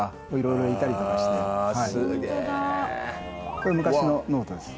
これ昔のノートです。